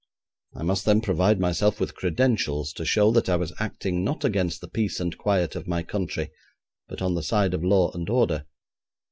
I must, then, provide myself with credentials to show that I was acting, not against the peace and quiet of my country, but on the side of law and order.